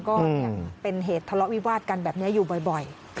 ก็เป็นเหตุทะเลาะวิวาดกันแบบนี้อยู่บ่อย